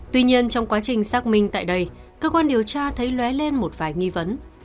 tuy nhiên trong quá trình xác minh tại đây cơ quan điều tra thấy lué lên một vài nghi vấn